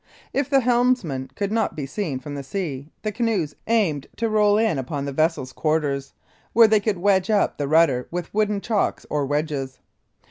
If the helmsmen could not be seen from the sea, the canoas aimed to row in upon the vessel's quarters, where they could wedge up the rudder with wooden chocks or wedges.